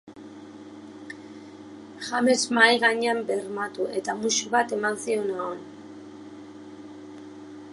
James mahai gainean bermatu, eta musu bat eman zion ahoan.